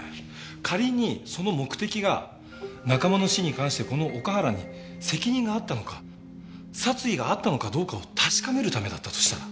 仮にその目的が仲間の死に関してこの岡原に責任があったのか殺意があったのかどうかを確かめるためだったとしたら？